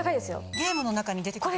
ゲームの中に出てくる。